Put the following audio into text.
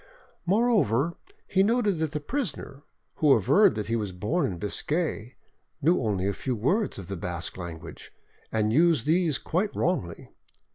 Moreover, he noted that the prisoner, who averred that he was born in Biscay, knew only a few words of the Basque language, and used these quite wrongly.